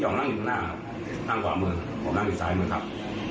นั่งอยู่ข้างหน้านั่งขวามือผมนั่งอยู่ซ้ายมือครับ